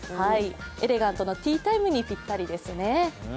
エレガントなティータイムにぴったりですね。